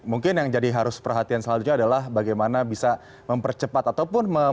mungkin yang jadi harus perhatian selanjutnya adalah bagaimana bisa mempercepat ataupun